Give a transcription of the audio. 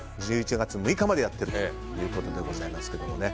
１１月６日までやっているということでございます。